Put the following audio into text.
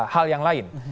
hal yang lain